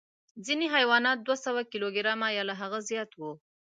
ځینې حیوانات دوه سوه کیلو ګرامه یا له هغه زیات وو.